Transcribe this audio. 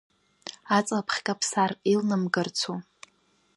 Аҵлабӷь каԥсар илнамгарцу…